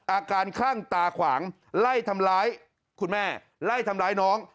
คลั่งตาขวางไล่ทำร้ายคุณแม่ไล่ทำร้ายน้อง